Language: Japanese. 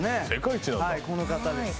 この方です。